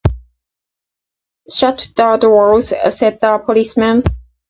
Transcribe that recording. "Shut the doors," said the policeman.